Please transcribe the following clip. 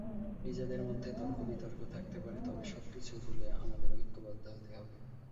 নিজেদের মধ্যে তর্কবিতর্ক থাকতে পারে, তবে সবকিছু ভুলে আমাদের ঐক্যবদ্ধ হতে হবে।